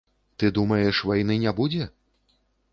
Ты думаеш, вайны не будзе?